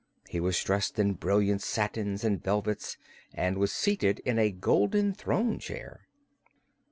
He was dressed in brilliant satins and velvets and was seated in a golden throne chair.